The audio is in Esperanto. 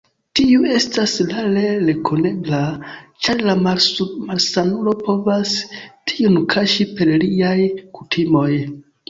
Tiu estas rare rekonebla, ĉar la malsanulo povas tiun kaŝi per liaj kutimoj.